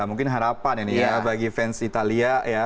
mungkin harapan ini ya bagi fans italia ya